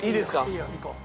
いいよいこう。